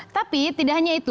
tapi tidak hanya itu